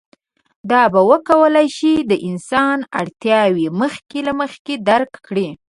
دا به وکولی شي د انسان اړتیاوې مخکې له مخکې درک کړي.